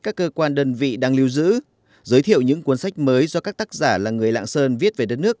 các cơ quan đơn vị đang lưu giữ giới thiệu những cuốn sách mới do các tác giả là người lạng sơn viết về đất nước